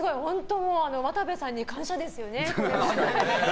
渡部さんに感謝ですよね。